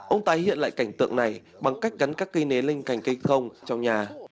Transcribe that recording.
ông ta hiện lại cảnh tượng này bằng cách gắn các cây nến lên cành cây thông trong nhà